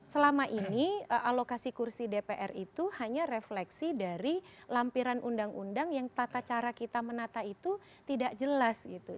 selama ini alokasi kursi dpr itu hanya refleksi dari lampiran undang undang yang tata cara kita menata itu tidak jelas gitu